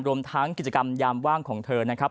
รวมทั้งกิจกรรมยามว่างของเธอนะครับ